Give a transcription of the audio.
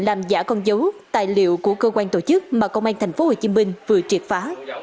làm giả con dấu tài liệu của cơ quan tổ chức mà công an tp hcm vừa triệt phá